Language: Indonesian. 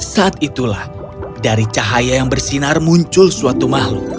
saat itulah dari cahaya yang bersinar muncul suatu makhluk